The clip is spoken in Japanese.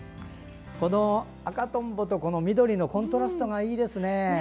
この赤トンボと緑のコントラストがいいですね。